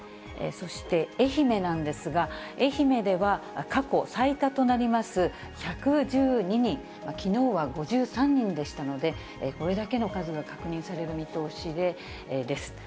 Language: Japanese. そして愛媛なんですが、愛媛では過去最多となります１１２人、きのうは５３人でしたので、これだけの数が確認される見通しです。